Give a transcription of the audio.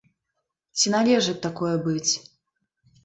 Ці належыць такое быць?